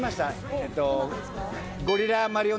えっと」